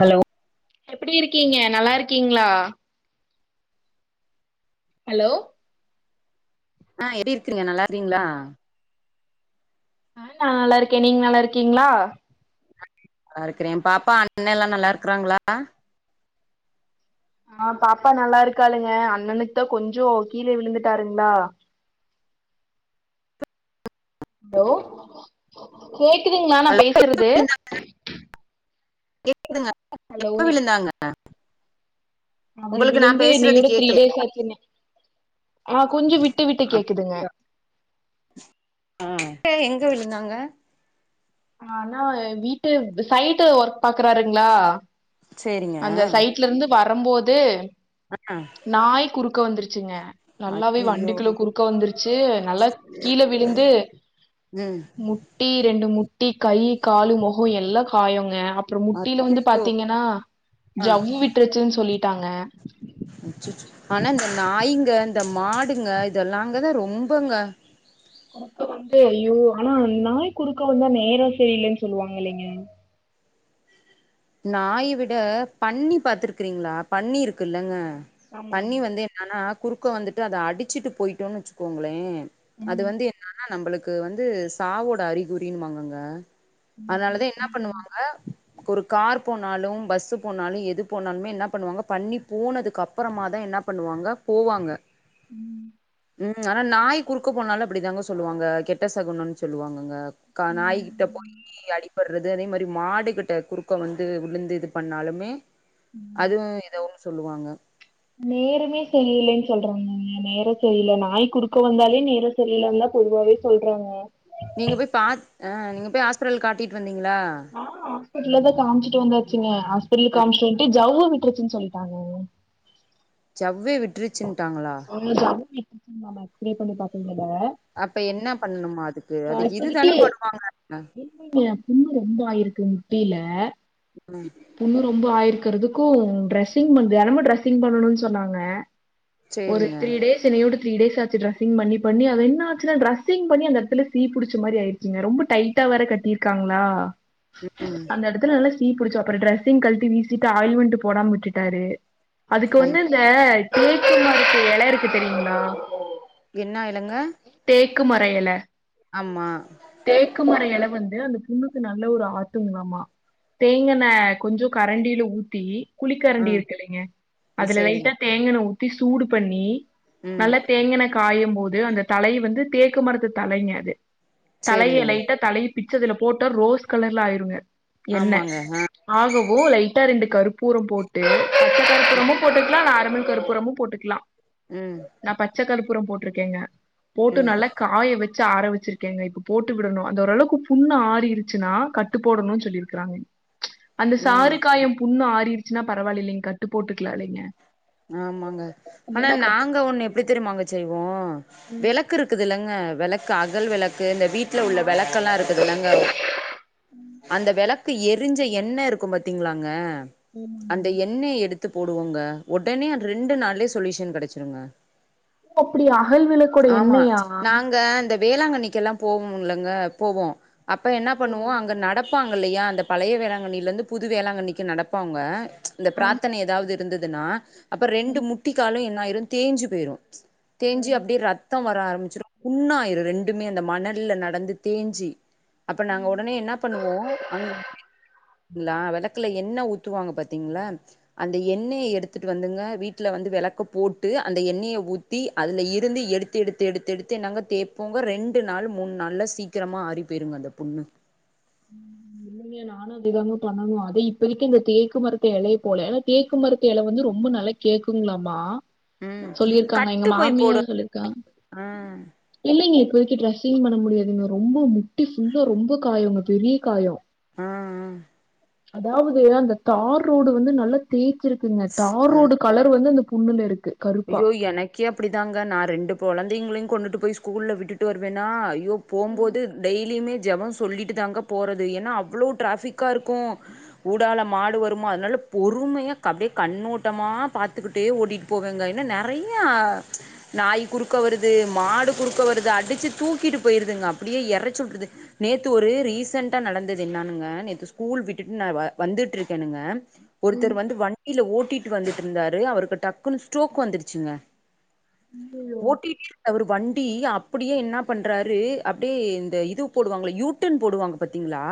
Hello எப்டியிருக்கீங்க நல்லார்க்கீங்களா hello ஆ எப்டி இருக்றீங்க நல்லார்கீங்களா ஆ நல்லாருக்கே நீங்க நல்லார்க்கீங்களா நல்லாருக்குறே பாப்பா அண்ணேலா நல்லாருக்குறாங்களா ஆ பாப்பா நல்லாருக்காளுங்க அண்ணனுக்கு தா கொஞ்சோ கீழே விழுந்துட்டாருங்ளா [unintelligible] ஹலோ கேக்குதுங்களா நா பேசுறது ஆ கேக்குதுங்க ஹலோ எப்ப நீ விழுந்தாங்க அவரு உங்களுக்கு நா விழுந்து பேசுறது இன்னியோட த்ரீ கேக்கல டேஸ் ஆச்சினே ஆ கொஞ்சோ விட்டு விட்டு கேக்குதுங்க அப்டியா ஆ எப்ப எங்க விழுந்தாங்க ஆனா வீட்டு சைட்டு ஒர்க் பாக்குறாருங்களா சேரிங்க அந்த சைட் டலருந்து வரும்போது ஆ ஆ நாயீ குறுக்க வந்துருச்சுங்க நல்லாவே அய்யய்யோ வண்டிக்குள குறுக்க வந்துருச்சு நல்லா கீழே விழுந்து ம் ட்டி ரெண்டு முட்டி கை காலு முகோ எல்லா காயோங்க அப்றோ முட்டியில வந்து அச்சச்சோ பாத்தீங்கன்னா ஜவ்வு விட்டுருச்சுனு சொல்லிட்டாங்க அச்சசோ ஆனா இந்த நாயீங்க இந்த மாடூங்க இதெல்லாங்கதா ரொம்பங்க குறுக்க வந்து ஐயோ ஆனா நாய் குறுக்க வந்தா நேர செரியிலன்னு சொல்லுவாங்க இல்லேங்க நாயீ விட பன்னி பாத்துருக்கிறீங்களா பன்னி இருக்குல்லங்க ஆமாங்க பன்னி வந்து எ ஆனா குறுக்க வந்துட்டு அத அடிச்சுட்டு போயிட்டோன்னு வச்சுக்கோங்களே அது ம் வந்து என்னானா நம்மளுக் கு வந்து சாவோட அறிகுறின்னு வாங்கங்க ம், அதனாலதா எனா அப்படியா? பண்ணுவாங்க ஒரு கார் போனாலு பஸ்ஸு போனாலு எது போனாலுமே என்ன பண்ணுவாங்க பன்னி போனதுக்கு அப்றமா தா என்னா பண்ணுவாங்க போவாங்க ம் ம் ஆனா நாய் குறுக்க போனாலு அப்டிதாங்க சொல்லுவாங்க கெட்ட சகுணன்னு சொல்லுவாங்கங்க கா ம், நாயிகிட்ட போயி அடிப்படுறது அதே மாரி மாடுகிட்ட குறுக் க வந்து விழுந்து இது பண்ணாலுமே ம். அதுவு ஏதோன்னு சொல்லுவாங்க நேரமே செரியிலன்னு சொல்றாங்கக நேர செரியில்ல நாயி குறுக்க வந்தாலே நேரோ இல்லன்தா பொதுவாவே சொல்றாங்க நீங்க போயி பாத் அ நீங்க போயி ஹாஸ்பிடல் காட்டிட்டு வந்தீங்களா ஆ ஹாஸ்பிட்ல தா காமிச்சிட்டு வந்தாச்சுங்க ஹாஸ்பிட்ல ஆ காமிச்சிட் வந்துட்டு ஜவ்வு விட்ருச்சுன்னு சொல்லிட்டாங்கங்க ஜவ்வே விட்ருச்சுன்ட்டாங்களா? உங்களுக்கு ஜவ்வு விட்ருச்சினு எக்ஸ்ரே பண்ணி பாத்திங்கள அப்ப என்ன பண்ணுமா அதுக்கு இது தான பண்ணுவாங்க ங்க புண்ணு ரொம்ப ஆயிருக்கு முட்டில ம் புண்ணு ரொம்ப ஆயிருக்கிறதுக்கு டிரரெஸ்ஸிங் பண் தினமு டிரெஸ்ஸிங் பண்ணணும்னு சொன்னாங்க ஒரு சரிங்க. த்ரீ டேஸ் செரி இன்னியோட த்ரீ டேஸ் ஆச்சி ட்ரெஸ்ஸிங் பண்ணி பண்ணி அது என்னாச்சுனா ட்ரெஸ்ஸிங் பண்ணி அந்த எடத்துல சீ புடிச்ச மாரி ஆயிடு ச்சுங்க ரொம்ப டைட்டா வேற கட்டிருக்காங்களா ம். அந்த இடத்துல நல்லா சீ புடிச்சு அப்றோ ட்ரெஸ்ஸிங் கலடி வீசிட்டு ஆயில்மென்ட் போடாம விட்டுட்டாரு அதுக்கு ஐ வந்து இந்த தேக்கு மரது இல இருக்கு தெரியுங்களா என்ன இலங்க தேக்கு மர இல ஆமா தேக்கு மர இல வந்து அந்த புண்ணுக்கு நல்ல ஒரு ஆத்துங்களாமா தேங்கன கொஞ்சோ கரண்டியில ஊத்தி குழி ஆ. கரண்டி இருக்கு இல்லைங்க ஆ அதுல சரிங்க. லைட்டா தேங்கண ஊத்தி சூடு பண்ணி ம். நல்ல தேங்கண காயும் போது அந்த தலை வந்து தேக்கு மரத்து தலைங்க அது தலைய சரிங்க. லைட்டா தலைய பிச்சு அதுல போட்ட ரோஸ் கலர்ல ஆயிருங்க எண்ண ஆமாங்க. ஆ. ஆகவோ லைட்டா ரெண்டு கருப்பூரம் போட்டு பச்ச கருப்பூரமும் போட்டுக்கலா நார்மல் கருப் பூரமு போட்டுக்கலா ம் நா பச்சக்கற்பூர போட்டிருக்கேங்க போட்டு ம். நல்லா காய வச்சு ஆர வச்சிருக்கேங்க இப்ப போட்டு விடணு அந்த ஓரளவுக்கு புண்ணு ஆறிருச்சுன்னா கட் ட்டு போடணு சொல்லியிருக்கிறாங்க அந்த ம். சாறுக்காயம் புண்ணு ஆறிர்ச்சுன்னா பரவாலில்லிங் கட்டு போட்டுக்கலா இல்லைங்க ஆமாங்க ஆனா இல்லைன்னா கட்டு நாங்க போட ஒண்ணு எப்டி முடியாது தெரியுமாங்க செய்வோ ம் விளக் க்கு ருக்குதிலங்க வெளக்கு அகல் வெளக்கு இந்த வீட் வீட்ல உள்ள ஆமா வெளக்கெல்லா இருக்குதுலங்க அந்த வெளக்கு எரிஞ்ச எண்ண இருக்கும் பாத்தீங்களாங்க அந்த ம் எண்ணய எடுத் து போடுவோங்க ஒடனே ரெண்டு நாள்லே சொல்யூஷன் கெடச்சிருங்க ஓ அப்படி அகல் விளக்கோட ஆமா எண்ணெயா நாங்க அந்த வேளாங்கண்ணிக்கெல்லா போவோம்ல்ங்க போவோ அப்ப என்ன ஓ பண்ணுவோ அங்க நடப் ப்பாங்க இல்லையா அந்த பழைய வேளாங்கண்ணியில இருந்து புது வேளாங்கண்ணிக்கு நடப்பாங்க இந்த ஆ. பிரார்த்தனை எதாவது இரு இருந்ததுன்னா அப்ப ரெண்டு முட்டி காலு என்ன ஆய்ரு தேஞ்சு போய்ரு தேஞ்சு அப்டே ரத் தோ வர ஆரம்பிச்சிடு புண்ணாயிரு ரெண்டுமே அந்த மணல்ல நடந்து தேஞ்சி அப்ப நாங்க உடனே என்ன பண்ணுவோ அங் ல வெளக்குல எண்ண ஊத்துவாங்க பாத்தீங்களா அந்த எண்ணய எடுத் எடுத்துட்டு வந்துங்க வீட்ல வந்து வெளக்க போட்டு அந்த எண்ணய ஊத்தி அதுல இருந்து எடு எத்து எடுத்து எடுத்து எடுத்து என்னங்க தேப்போங்க ரெண்டு நாள் மூணு நாள்ல சீக்கிரமா ஆறி போயிருங்க அந்த புண்ணு இல்லைங்க நானு அதே தாங்க பண்ணணு அத இப்பதிக்கு இந்த தேக்குமரத்து எலய போல தேக்குமரத்து எல வந்து ரொம்ப நளைக் கேக்குங்களாமா ம் சொல்லியிருக்காங்க எங்க கட்டு போய் போடு மாமியார் சொல்லிருக்கா ஆ இல்லைங்க இப்போதைக்கு டிரெஸ்ஸிங் பண்ண முடியாதுங்க ரொம்ப முட்டி ஃபுல்லா ரொம்ப காயொங்க பெரிய காயோ ஆ ஆ அதாவது அந்த தார் ரோடு வந்து நல்லா தேய்ச்சிருக்குங்க தார் ரோடு கலரு வந்து அந்த புண்ணுல இருக்கு கருப்பா ஐயோ எனக்கே அப்டிதாங்க நா ரெண்டு கொழந்தைங்களையு கொண்டுட்டு போய் ஸ்கூல்ல விட்டுட்டு வருவேன்னா ஐயோ போம் ம் போது டெய்லியுமே ஜெபம் சொல்லிட்டு தாங்க போறது ஏன்னா அவ்ளோ டிராஃபிக்கா இருக்கூ ஊடால மாடு வருமா அதனால பொறுமையா அப்டே கண்ணோட்டமா பாத்துக்கிட்டே ஓட்டிட்டு போவங்க இன்ன நெறையா நாய் குறுக்க வருது மாடு குறுக்க வருது அடிச்சு தூக்கிட்டு போயிருதுங்க அப்டியே எறச்சுற்றுது நேத்து ஒரு ரீசன்டா நடந்தது என்னானுங்க நேத்து ஸ்கூல் விட்டுட்டு நா வ வந்துட்டுருக்கேனுங்க ம் ஒருத்தர் வந்து வண்டியில ஓட்டிட்டு வந்துட்டுருந்தாரு அவருக்கு டக்குன்னு ஸ்ட்ரோக் வந்துருச்சுங்க ஐயையோ ஓட்டிடே அவர் வண் டி அப்டியே என்ன பண்றாரு அப்டே இந்த இது போடுவாங்கள யூட்டன் போடுவாங்க பாத்தீங்களா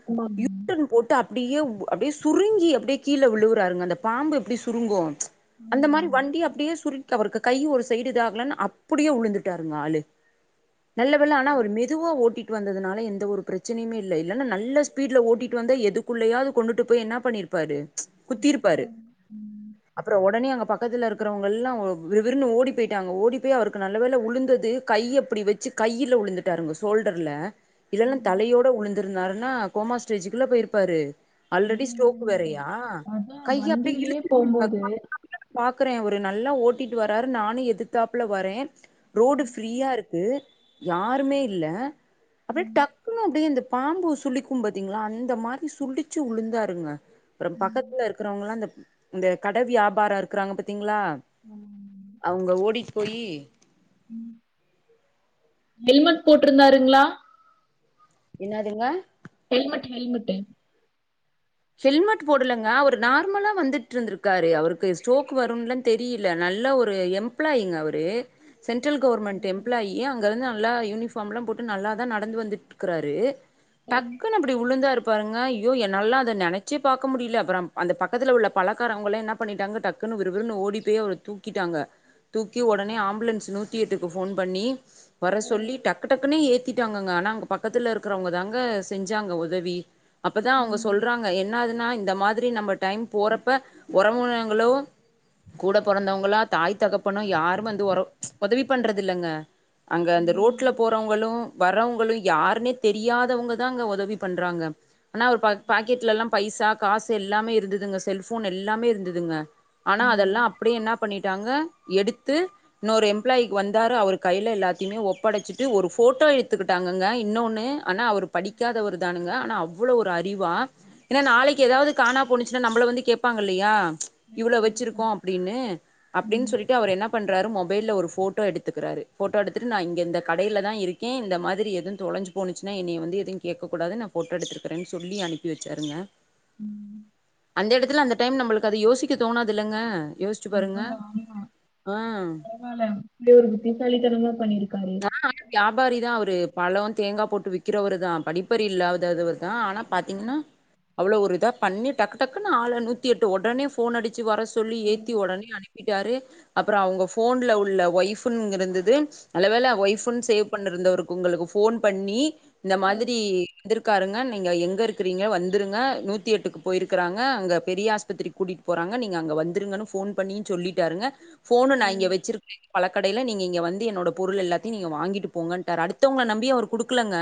ஆமாங்க யூட்டன் போட் டு அப்டியே அப்டே சுருங்கி அப்டே கீழ விழுவுறாருங்க அந்த பாம்பு எப்டி சுருங்கூ அந்த ஆமா மாரி ஆமா வண்டி அப்டியே சுரு அவருக்கு கை ஒரு சைடு இதாகலன்னு அப்படியே வுழுந்துட்டாருங்க ஆளு நல்ல வேள ஆனா அவரு மெதுவா ஓட்டிட்டு வந்ததுனால எந்த ஒரு பிரச்சனையுமே இல்ல இல்லன்னா நல்ல ஸ்பீட்ல ஓட்டிட்டு வந்தா எதுக்குள்ளயாது கொண்டுட்டு போய் என்னா பண்ணிருப்பாரு குத்திருப்பாரு ம் அப்றோ ஒடனே அங்க ப க்கத்துல இருக்கறவங்கல்லா விரு விருன்னு ஓடி போயிட்டாங்க ஓடி போய் அவருக்கு நல்ல வேல வுழுந்தது கை அப்டி வெச்சு கையில வுழுந்துட்டாருங்க ஷோல்டர்ல இல்லனா தலையோட வுழுந்திருந்தாருன்னா கோமா ஸ்டேஜுக்கல்ல போயிருப்பாரு ஆல்ரெடி ஸ்ரோக் ம் வேறயா அதா கைய அப்டியே வண்டியிலயே இழுத்து போம்போது [inaudible] பாக்கறன் அவரு நல்லா ஓட்டிட்டு வராரு நானு எதுதாப்புல வரேன் ரோடு ஃப்ரீயா இருக்கு யாருமே இல்ல அப்டியே ம். டக்குணு அப்டியே இந்த பாம்பு சுளிக்கும் பத்தீங்ளா அந்த மாரி சுலிச்சு வுழுந்தாருங்க அப்றோ ம். பக்கத்துல இருக்கறவங்கல்லா அந்த அந்த கட வியாபாரோ க்கறாங்க பத்தீங்ளா ஆமாங்க. அவுங்க ஓடி போயி ஹெல்மெட் போட்டிருந்தாருங்ளா என்னாதுங்க ஹெல்மெட்டு ஹெல்மெட்டு ஹெல்மெட் போடலங்க அவரு நார்மலா வந்துட்டுருந்தி க்காரு அவருக்கு ஸ்டோக் வருன்னல்லா தெரில நல்ல ஒரு எம்ப்ளாயிங்க அவரு சென்டரல் கவர்மென்ட் எம்ப்ளாயி ஏன் அங்கிருந்து நல்லா யூனிஃபார்ம் எல்லாம் போட்டு நல்லாதான் நடந்து வந்துட்டுக்கிறாரு ம் டக்குன்னு வுழுந்தாருப்பாருங்க அய்யோ என்னாலல்லா நெனச்சே பாக்க முடில அப்பறம் அந்த பக்கத்தில உள்ள பழக்காரங்கல்லா என்ன பண்ணிட்டாங்க டக்குன்னு விறு விறுன்னு ஓடி போய் அவர தூ க்கிட்டாங்க தூக்கி உடனே ஆம்புலன்ஸ் நூத்தி எட்டுக்கு ஃபோன் பண்ணி வர சொல்லி டக்கு டக்குனு ஏத்தி க்கிட்டாங்கங்க ஆனா அங்க பக்கத்துல இருக்கறவங்கதாங்க செஞ்சாங்க உதவி அப்தான் அவுங்க ம் சொல்றாங்க என்னாதுன்னா இந்த மாதிரி நம்ம டைம் போறப்ப உறவுனங்களு கூட பொறந்தவங்களா தாய் தகப்பனோ யாரு வந்து உர உதவி பண்றது இல்லங்க அங்க அந்த ரோ ட்ல ஆமாங்க போறவங்களு வர்றவங்களு யாருன்னே தெரியாதவங்கதா அங்க உதவி பண்றாங்க ஆனா அவரு பா பாக்கெட்லெல்லா பைசா காசு எல்லாமே இருந்துதுங்க செல்போன் எல்லாமே இருந்துதுங்க ஆனா அதெல்லா அப்படியே என்னா பண்ணிட்டாங்க எடுத்து இன்னொரு எம்ப்ளாயி வந்தாரு அவரு கைல எல்லாத்தையுமே ஒப்படைச்சிட்டு ஒரு போட்டோ எடுத்துக்கிட்டாங்கங்க இன்னொன்னு ஆனா அவர் படிக்காதவர்தானுங்க ஆனா அவ்ளோ ஒரு அறிவா ஏனா நாளைக்கு எதாவது காணா போனு ச்சுனா நம்மள வந்து கேப்பாங்கில்லயா ஐயோ! இவ்ளோ கண்டிப்பா வெச்சிருக்கோஅப்டின்னு அப்டின்னு ம் சொல்ட்டு அவர் என்ன பண்றாரு மொபைல ஒரு ஃபோட்டோ எடுத்துக்கிறாரு ஃபோட்டோ எடுத்துட்டு நா இங்க இந்த கடைலதான் இருக்கேன் இந்த மாதிரி எது தொலஞ்சு போனுச்சுன்னா என்னைய வந்து எது கேக்கக் கூடாது நா ஃபோட்டோ எடுத்திருக்கறன்னு சொல்லி அனுப்பி வெச்சாருங்க ம் அந்த எடத்துல அந்த டைம் நம்மளுக்கு அது யோசிக்க தோணாதில்லங்க யோ சிச்சு பாருங்க ஆ ம் இந்த ஒரு புத்திசாலித்தனமா பண்ணியிருக்காரு வியாபாரி தா அவரு பழ தேங்கா போட்டு விக்கிறவரு தா படிப்பறி இல்லாதவரு தா ஆனா பாத்தீங்கன்னா அவ்ளோ ஒரு இதா பண்ணி டக்கு டக்கு ஆலு நூத்தி எட்டு ஒடனே போன் அடிச்சு வர சொல்லி ஏத்தி ஒடனே அனுப் தூக்கிட்டாரு அப்புறோ அவங்க ஃபோன்ல உள்ள ஒய்ஃப்னு இருந்தது நல்ல வேல ஒய்ஃப்ன் சேவ் பண்ணிருந்தவருக்கு ஒங்களுக்கு ஃபோன் பண்ணி இந்த மாதிரி வந்துருக்காருங்க நீங்க எங்க இருக்கிறீங்கள வந்துருங்க நூத்தி எட்டுக்கு போயிருக்கறாங்க அங்க பெரிய ஆஸ்பத்திரிக்கு கூட்டிட்டு போறாங்க நீங்க அங்க வந்துருங்கன்னு ஃபோன் பண்ணியு சொல்லிட்டாருங்க போனு நா இங்க ம் வச்சிருக்கே பழக்கடையில நீங்க இங்க வந்து என்னோட பொருள் எல்லாத்தையு நீங்க வாங்கிட்டு போங்கன்ட்டாரு அடுத்தவங்கள நம்பி அவரு குடுக்கலங்க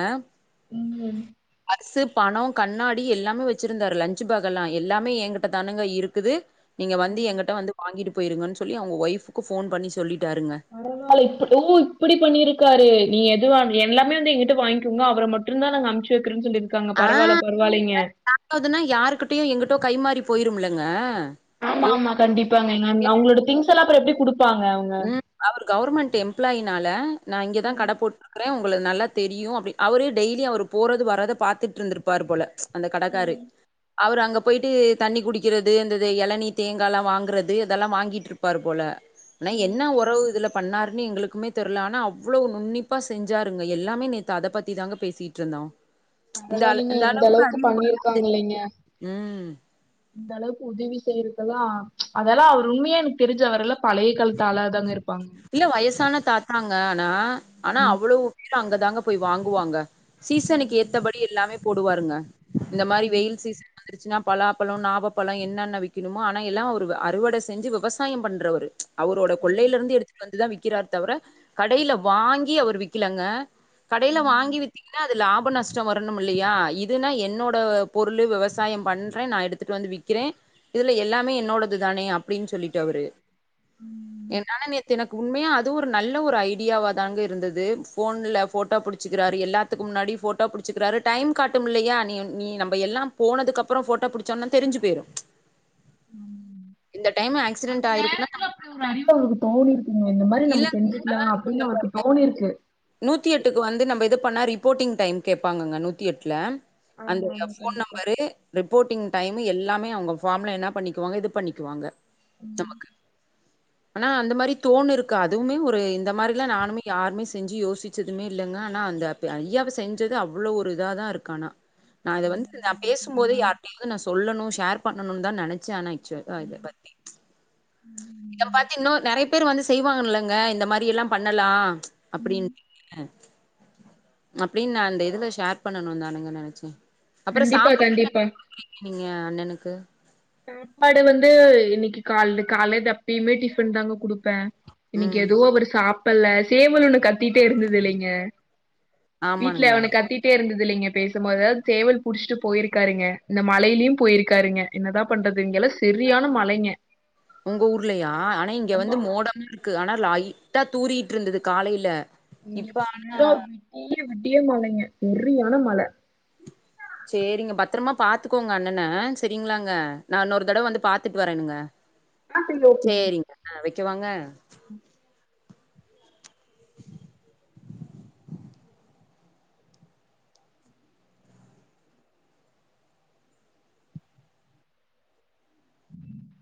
ம் ம் பர்ஸ்சு பணோ கண்ணாடி எல்லாமே வச்சிருந்தாரு லன்ச்சு பேக் எல்லா எல்லாமே என்கிட்ட தானுங்க இருக்குது நீங்க வந்து ம் எங்கிட்ட வந்து வாங்கிட்டு போயிருங்கன்னு சொல்லி அவங்க ஒய்ஃபுக்கு ஃபோன் பண்ணி சொல்லிட்டாருங்க பரவால்ல இப்ப ஓ இப்டி பண்ணிருக்காரு நீ எதுவா எல்லாமே வந்து எங்கிட்ட வாங்கிகோங்க அவர மட் டுருந்தா நா அம்ச்சு வக்கிறேன் சொல்லிருகாங்க பரவால்ல பரவால்லங்க பாத்ததுனா யாருகிட்யு எங்கிட்டோ கைமாறி போயிருமில்லங்க ஆமா ஆமா கண்டிப்பாங்க அவங்களோட திங்ஸ் எல்லா அப்புற எப்டி குடுப்பாங்க அவங்க? ம் அவரு கவுவர்மெண்ட் எம்ப்ளாயினால நா இங்கதா ம். கட போட்டு க்குறே உங்கள நல்ல தெரியு அப்டினு அவரு டெய்லி அவர் போறது வறது பாத்துட்டுருந்திருபாரு போல அந்த கடக்காரு அவரு அங்க போயிட்டு தண்ணி குடிகிறது இந்த இளநீர் தேங்கால்லா வாங்கறது இதெல்லா வாங்கிட்டுருப்பார் போல ஆனா என்ன உறவு இதுல பண்ணாருன்னு எங்களுக்குமே தெர்ல ஆனா அவ்ளோ நுண்ணிப்பா செஞ்சாருங்க எல்லாமே நேத்து அத பத்தி தாங்க பேசிட்ருந்தோ [inaudible] பரவால்லிங்க இந்த அளவுக்கு பண்ணிருக்காங்கலேங்க ம் இந்த அளவுக்கு உதவி செய்றதுக்லா அதெல்லா அவர் உண்மையா எனக்கு தெரிஞ்ச அவரெல்லா பழைய காலத் ஆளா தாங்க இருபாங்க இல்ல வயசான தாத்தாங்க ஆனா ஆனா அவ்வளோ பேரூ அங்கதாங்க போய் வாங்குவாங்க சீசனுக்கு ம். ஏத்தபடி எல்லாமே போடுவாருங்க இந்த மாரி ம், வெயில் சீசன் வந்துருச்சினா பலாபழோ நாவபழோ என்னன்ன விக்கணுமோ ஆனா எல்லா அவரு அறுவடை செஞ்சி விவசாயோ பண்றவரு அவரோட ம், கொள்ளையில இருந்து எடுத்துட்டு வந்துதா விக்கிறார் தவர கடையில வாங்கி அவர் விக்கிலங்க கடையில ம், வாங்கி வித்தீங்கனா அது லாபோ நஸ்ட் ஞ்ச வரணும் இல்லையா இதுன்னா என்னோட பொருள் விவசாயம் பண்றே நா எடுத்துட்டு வந்து விக்கிறே இதல எல்லாமே என்னோடது தானே அப்டின்னு சொல்லிட்டு அவரு ம் என்னால நேத்து எனக்கு உண்மையா அதுவு ஒரு நல்ல ஒரு ஐடியாவாதாங்க இருந்தது ஃபோன்ல போட்டோ புடு புடிச்சிக்கிறாரு எல்லாதுக்கு முன்னாடி ஃபோட்டோ புடிச்சிக்கிறாரு டைம் காட்டுமில்லையா நீ நீ நம்ம எல்லா போனதுக்கு அப்றோ போட்டோ புடிச்சோனா தெரிஞ்சு போயிடு ச் அந்த ஆயிருக்குன்னா நேரத்துல அப்டி ஒரு அறிவு அவளுக்கு தோணிரு ம் இந்த மாரி இல்ல நம்ம செஞ்சுகலா அப்டினு அவருக்கு தோனிருக்கு நூத்தி எட்டுக்கு வந்து நம்ம இது பண்ணா ரிப்போட்டிங் டைம் கேப்பாங்கங்க நூத்தி எட்டுல அந்த ஆமா, ஏ ஆமா. ஃபோன் கண்டிப்பா. நம்பரு ரிப்போட்டிங் டைமு எல்லாமே அவங்க ஃபார்மில என்ன பண்ணிகுவாங்க இது பண்ணக்குவாங்க ம். நமக்கு ஆனா அந்த மாரி தோணு ருக் க்காது அதுவுமே ஒரு இந்த மாரிலா நானுேமே யாருமே செஞ்சி யோசிச்சதுமே இல்லங்க ஆனா அந்த து ஐயாவ செஞ்சது அவ்ளோ ஒரு இதாதா இருக்கானா நா அத வந்து நா பேசும்போது பரவால்ல. யார்கிட்டையு நா சொல்லணு ஷேர் பண்ணும்னு தா நெனச்சே ஆனா ஆக்சுவல் அ இத ம். பத்தி இத பத்தி இன்னு நறைய பேர் வந்து செய்வாங்க இல்லங்க இந்த மாரியெல்லா பண்ணலா அப்டின்றீங்க அப்டின்னு நா அந்த இதுல ஷேர் பண்ணணு தானுங்க நெனைச்ச அப்றோ கண்டிப்பா, சாப்பா [inaudible] கண்டிப்பா. [unintelligible] ருக்கீங்க அண்ணனுக்கு சாப்பாடு வந்து இன்னைக்கு கால் கால்ல எப்பயுமே டிஃபன்தாங்க குடுப்பன் இன்னைக்கு ம் எதுவு அவரு சாப்பில்ல சேவல் ஒண்ணு கத்திட்டே இருந்தது இல்லைங்க வீட்ல ஆமானுங்க அவன கத்தி ட்டே இருந்தது இல்லைங்க பேசும்போது அதாவது சேவல் புடிச்சிட்டு போயிருக்காருங்க இந்த மழையிலயும் போயிருக்காருங்க என்னதா பண்றது இங்க எல்லா சரியான மழைங்க உங்க ஊர்லயா ஆனா இங்க ஆமா. வந்து மோடமா இருக்கு ஆனா லைட்டா தூறிட்டு இருந்தது காலைல இங்க ஃபுல்லா விடிய விடிய மழைங்க றியான மழ சேரிங்க பத்தரமா பாத்துக்கோங்க அண்ணன சரிங்களாங்க நா இன்னொரு தடவ வந்து பாத்துட்டு வரேனுங்க ஆ சரி ஓகேங்க. சேரிங்க அ வக்க வாங்க உம் [inaudible]